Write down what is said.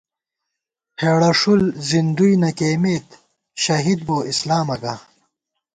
ہېڑہ ݭُل زِندُوئی نہ کېئیمېت، شہیدبو اسلامہ گا